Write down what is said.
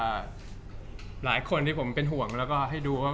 จากความไม่เข้าจันทร์ของผู้ใหญ่ของพ่อกับแม่